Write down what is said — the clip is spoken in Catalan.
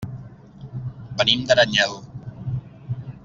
Venim d'Aranyel.